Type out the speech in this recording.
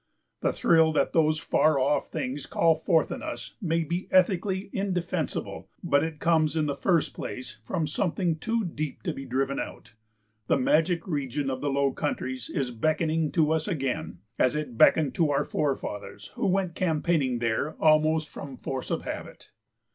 The thrill that those far off things call forth in us may be ethically indefensible, but it comes in the first place from something too deep to be driven out; the magic region of the Low Countries is beckoning to us again, as it beckoned to our forefathers, who went campaigning there almost from force of habit.